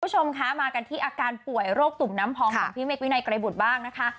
ขอบคุณผู้ชมค่ะมากันที่อาการป่วยโรคตุ่มน้ำพองของพี่เมกก็เลยบูดบ้างนะคะ